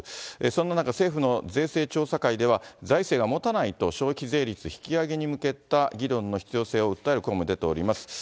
そんな中、政府の税制調査会では財政がもたないと、消費税率引き上げに向けた議論の必要性を訴える声も出ております。